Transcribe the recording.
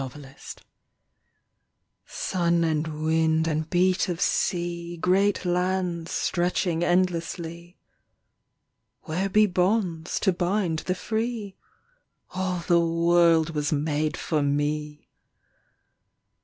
ADVENTURE Sun and wind and beat of sea, Great lands stretching endlessly. . Where be bonds to bind the free? All the world was made for me